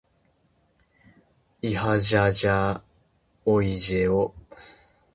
いはじゃじゃおいじぇお。